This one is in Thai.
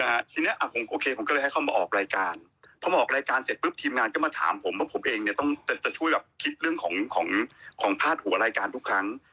ทีเนี้ยอ่ะผมโอเคผมก็เลยให้เขามาออกรายการพอมาออกรายการเสร็จปุ๊บทีมงานก็มาถามผมว่าผมเองเนี้ยต้องจะช่วยแบบคิดเรื่องของของของพาดหัวรายการทุกครั้ง